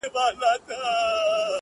او پوهنې ته یې اړتیا هم برابره ده